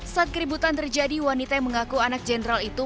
saat keributan terjadi wanita yang mengaku anak jenderal itu